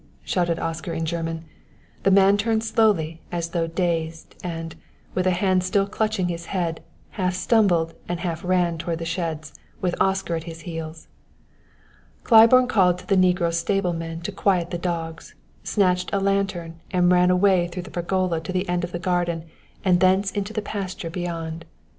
shouted Oscar in German. The man turned slowly, as though dazed, and, with a hand still clutching his head, half stumbled and half ran toward the sheds, with Oscar at his heels. Claiborne called to the negro stable men to quiet the dogs, snatched a lantern, and ran away through the pergola to the end of the garden and thence into the pasture beyond.